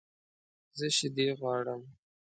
زه شیدې غواړم